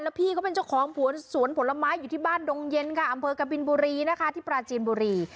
และพี่ก็เป็นเจ้าของสวนผลไม้อยู่ที่บ้านดงเย็นแบบอำเภอกระบินบุรีปราชีนบุรี